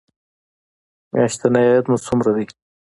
میاشتنی عاید مو څومره دی؟